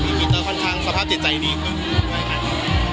ตอนนี้คุณคิดว่าค่อนข้างสภาพใจใจดีกว่าไหนครับ